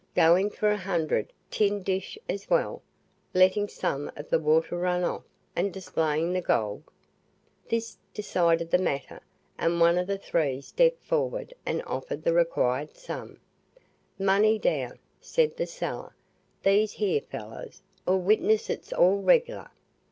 "Going for a hundred, tin dish as well!" letting some of the water run off, and displaying the gold. This decided the matter, and one of the three stepped forward and offered the required sum. "Money down," said the seller; "these here fellers 'll witness it's all reg'lar."